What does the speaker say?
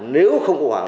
nếu không có hoảng